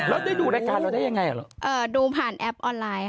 แล้วได้ดูด้วยกันแล้วยังไง